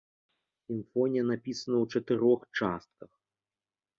Сімфонія напісана ў чатырох частках.